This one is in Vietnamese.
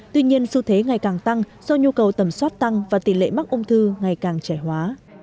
tuy nhiên xu thế ngày càng tăng do nhu cầu tầm soát tăng và tỷ lệ mắc ung thư ngày càng trẻ hóa